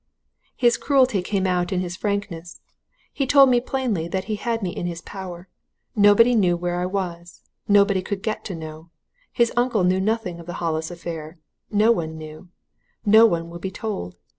"His cruelty came out in his frankness. He told me plainly that he had me in his power. Nobody knew where I was nobody could get to know. His uncle knew nothing of the Hollis affair no one knew. No one would be told.